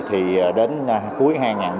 thì đến cuối hai nghìn một mươi bảy